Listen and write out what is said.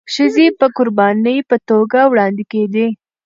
ښځي د قرباني په توګه وړاندي کيدي.